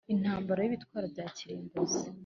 Intambara y ibitwaro bya kirimbuzi